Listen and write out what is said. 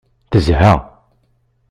Tezha.